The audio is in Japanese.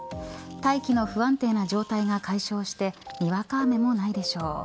大気の不安定な状態が解消してにわか雨もないでしょう。